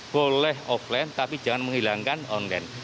boleh offline tapi jangan menghilangkan online